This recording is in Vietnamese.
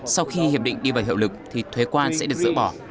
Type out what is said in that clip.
sau khi hiệp định đi vào hiệu lực thì thuế quan sẽ được dỡ bỏ